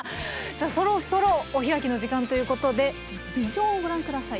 さあそろそろお開きの時間ということでビジョンをご覧下さい。